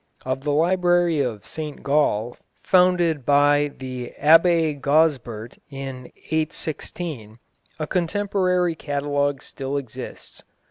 Of the library of St Gall, founded by the Abbé Gozbert in 816, a contemporary catalogue still exists.